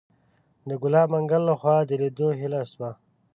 د ګلاب منګل لخوا د لیدو هیله شوه.